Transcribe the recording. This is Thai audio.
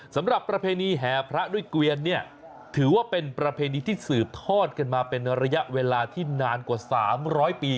ประเพณีแห่พระด้วยเกวียนเนี่ยถือว่าเป็นประเพณีที่สืบทอดกันมาเป็นระยะเวลาที่นานกว่า๓๐๐ปี